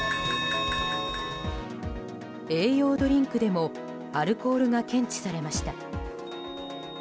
栄養ドリンクでもアルコールが検知されました。